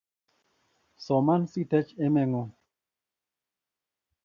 Soman si tech emet ng'uung